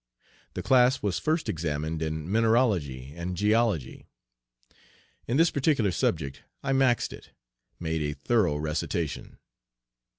The class was first examined in mineralogy and geology. In this particular subject I "maxed it," made a thorough recitation.